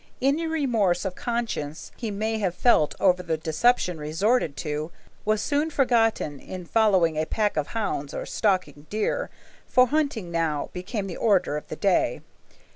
Any remorse of conscience he may have felt over the deception resorted to was soon forgotten in following a pack of hounds or stalking deer, for hunting now became the order of the day.